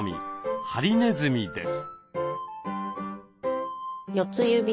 ハリネズミです。